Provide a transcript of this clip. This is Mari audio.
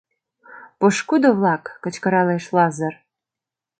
— Пошкудо-влак! — кычкыралеш Лазыр.